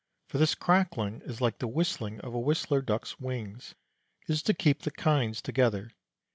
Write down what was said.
For this crackling is like the whistling of a Whistler Duck's wings: it is to keep the kinds together.